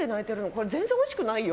これ全然おいしくないよ？